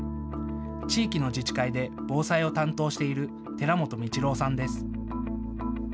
地域の自治会で防災を担当している寺本道郎さんです。